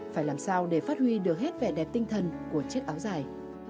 phải làm sao để phát huy được hết vẻ đẹp tinh thần của chiếc áo dài